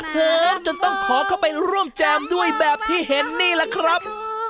เหิมจนต้องขอเข้าไปร่วมแจมด้วยแบบที่เห็นนี่แหละครับ